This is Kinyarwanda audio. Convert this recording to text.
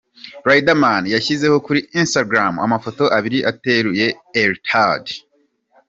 Riderman, yashyizeho kuri Instagram amafoto abiri ateruye Eltad.